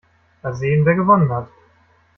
Mal sehen, wer gewonnen hat.